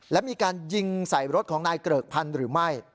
และมีการยิงใส่รถของนายเกริกพันธุ์หรือไม่